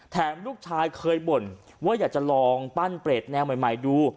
ลูกชายเคยบ่นว่าอยากจะลองปั้นเปรตแนวใหม่ดู